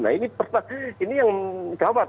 nah ini yang gawat